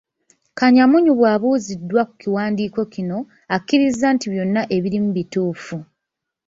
Kanyamunyu bw'abuuziddwa ku kiwandiiko kino, akkiriza nti byonna ebikirimu bituufu.